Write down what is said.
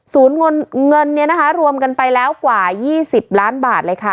ศูนย์เงินเนี่ยนะคะรวมกันไปแล้วกว่ายี่สิบล้านบาทเลยค่ะ